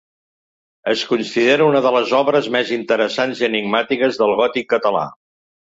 Es considera una de les obres més interessants i enigmàtiques del gòtic català.